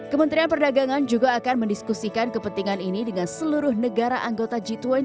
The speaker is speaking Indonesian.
kementerian perdagangan juga akan mendiskusikan kepentingan ini dengan seluruh negara anggota g dua puluh